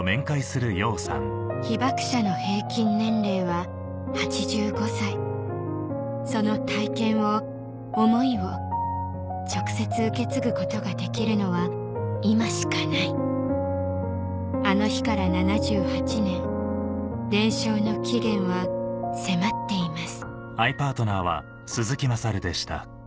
被爆者の平均年齢は８５歳その体験を思いを直接受け継ぐことができるのは今しかないあの日から７８年伝承の期限は迫っています